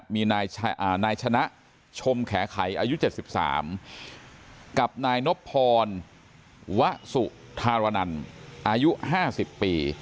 มีนายชนะชมแขวไขอายุเจ็ดสิบสามกับนายนพรวะสุธารนันอายุห้าสิบปี